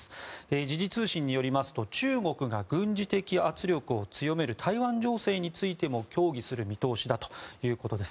時事通信によりますと中国が軍事的圧力を強める台湾情勢についても協議する見通しだということです。